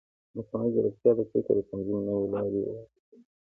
مصنوعي ځیرکتیا د فکر د تنظیم نوې لارې وړاندې کوي.